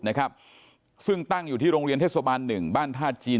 อ่ะครับซึ่งตั้งอยู่ที่โรงเรียนเทศบัน๑บ้านธาตุจีน